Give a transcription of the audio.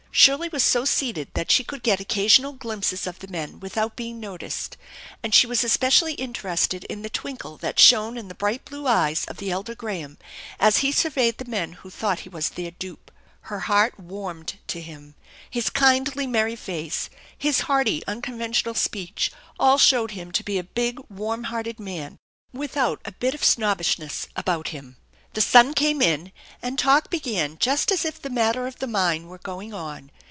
Shirley was so seated that she could get occasional glimpses of the men without being noticed, and she was especially interested in the twinkle that shone in the bright blue eyes of the elder Graham as he surveyed the men who thought he was their dupe. Her heart warmed to him. His kindly, 192 THE ENCHANTED BARN merry face, his hearty, unconventional speech, all showed him to be a big, warm hearted man without a bit of snobbishness about him. The son came in, and talk began just as if the matter of the mine were going on.